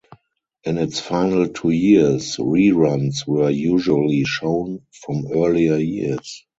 In its final two years, reruns were usually shown from earlier years.